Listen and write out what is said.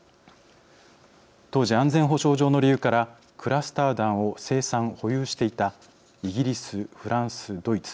当時、安全保障上の理由からクラスター弾を生産、保有していたイギリス、フランス、ドイツ